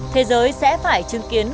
thế giới sẽ phải chứng kiến